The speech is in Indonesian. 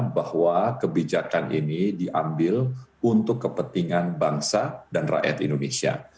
bahwa kebijakan ini diambil untuk kepentingan bangsa dan rakyat indonesia